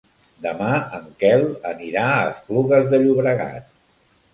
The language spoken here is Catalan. Demà en Quel anirà a Esplugues de Llobregat.